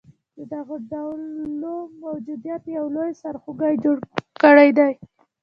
د دغه ډلو موجودیت یو لوی سرخوږې جوړ کړیدی